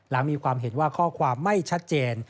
มีความเห็นว่าข้อความไม่ชัดเจน